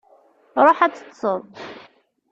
Ṛuḥ ad teṭṭseḍ!